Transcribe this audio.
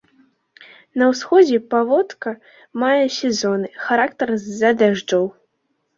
На ўсходзе паводка мае сезонны характар з-за дажджоў.